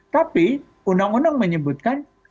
tapi undang undang menyebutkan